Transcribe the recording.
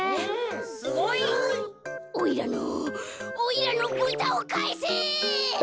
「おいらのおいらのブタをかえせ！」。